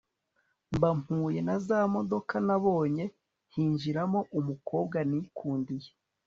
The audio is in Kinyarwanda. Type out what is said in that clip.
mba mpuye nazamodoka nabonye hinjiramo umukobwa nikundiye